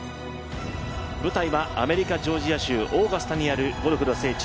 舞台はアメリカ・ジョージア州オーガスタにあるゴルフの聖地